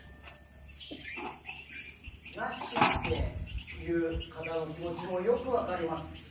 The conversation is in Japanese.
なしっていう方の気持ちもよく分かります。